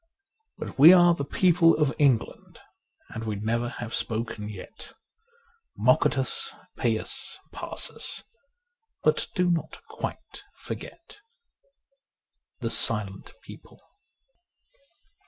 But we are the people of England, and we nev6r have spoken yet. Mock at us, pay us, pass us ; but do not quite forget. ' The Silent People.'